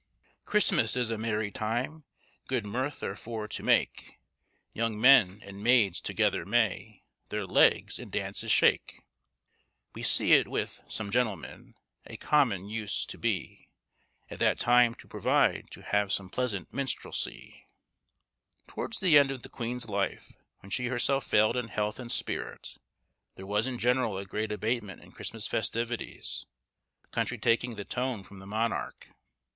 "Christmas is a mery time, good mirth therfore to make; Young men and maids together may their legs in daunces shake; Wee se it with some gentlemen a common use to be, At that time to provide to have some pleasant minstrelsie." Towards the end of the Queen's life, when she herself failed in health and spirit, there was in general a great abatement in Christmas festivities; the country taking the tone from the monarch.